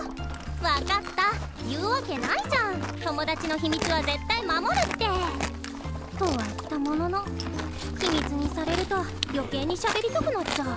分かった言うわけないじゃん友達の秘密は絶対守るって。とは言ったものの秘密にされると余計にしゃべりたくなっちゃう。